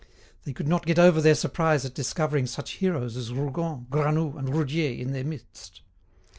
They could not get over their surprise at discovering such heroes as Rougon, Granoux, and Roudier in their midst.